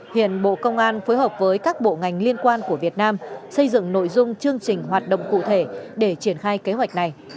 hiện bộ công an phối hợp với các bộ ngành liên quan của việt nam xây dựng nội dung chương trình hoạt động cụ thể để triển khai kế hoạch này